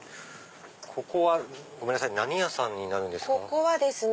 ここはごめんなさい何屋さんになるんですか？